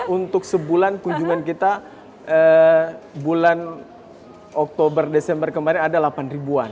untuk sebulan kunjungan kita bulan oktober desember kemarin ada delapan ribuan